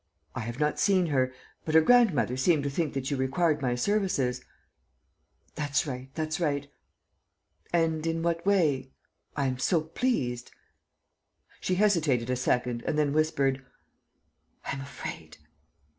..." "I have not seen her ... but her grandmother seemed to think that you required my services ..." "That's right ... that's right. ..." "And in what way ...? I am so pleased ..." She hesitated a second and then whispered: "I am afraid."